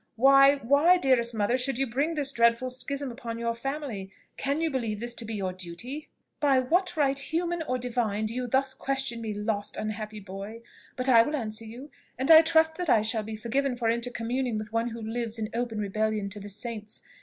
Why, why, dearest mother, should you bring this dreadful schism upon your family? Can you believe this to be your duty?" "By what right, human or divine, do you thus question me, lost, unhappy boy? But I will answer you; and I trust that I shall be forgiven for intercommuning with one who lives in open rebellion to the saints!